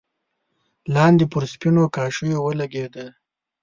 لاندې پر سپينو کاشيو ولګېده.